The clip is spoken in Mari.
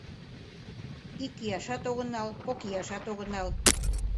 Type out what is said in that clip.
Ик ияшат огынал, кок ияшат огынал